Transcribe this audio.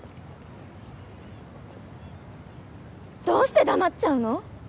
どうして黙っちゃうの！？